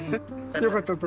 よかったと。